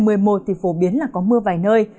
ngày một mươi một thì phổ biến là có mưa vài nơi